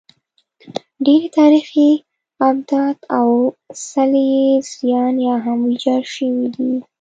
ډېری تاریخي ابدات او څلي یې زیان یا هم ویجاړ شوي دي